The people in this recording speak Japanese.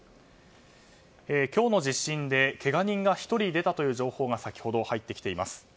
今日の地震でけが人が１人出たという情報が先ほど入ってきています。